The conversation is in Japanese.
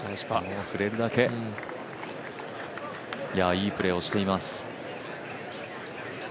いいプレーをしています。